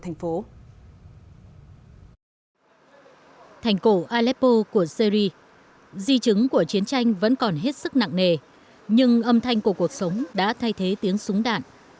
thành cổ aleppo của syri di chứng của chiến tranh vẫn còn hết sức nặng nề nhưng âm thanh của cuộc sống đã thay thế tiếng súng đạn